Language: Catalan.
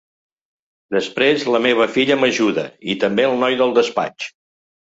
Després la meva filla m’ajuda, i també el noi del despatx.